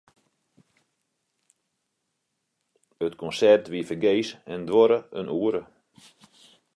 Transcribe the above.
It konsert wie fergees en duorre in oere.